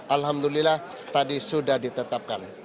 alhamdulillah tadi sudah ditetapkan